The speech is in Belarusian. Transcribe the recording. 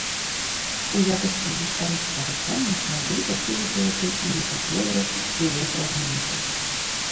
У якасці гістарычнага помніка былі пакінутыя толькі некаторыя яе фрагменты.